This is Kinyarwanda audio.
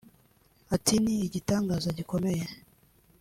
Ati “Ni igitangaza gikomeye